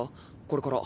これから。